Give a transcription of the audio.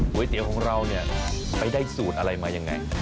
เตี๋ยวของเราเนี่ยไปได้สูตรอะไรมายังไง